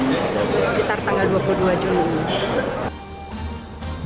sekitar tanggal dua puluh dua juni